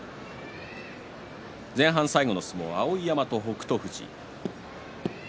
前半最後の相撲は碧山と北勝富士。